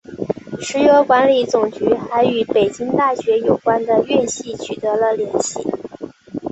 石油管理总局还与北京大学有关的院系取得了联系。